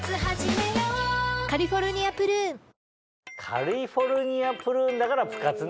カリフォルニアプルーンだからプ活ね。